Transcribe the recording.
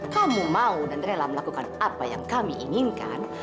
kamu mau dan rela melakukan apa yang kami inginkan